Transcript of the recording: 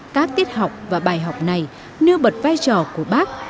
các tiết học và bài học này nêu bật vai trò của bác